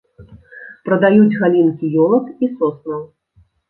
Прадаюць галінкі ёлак і соснаў.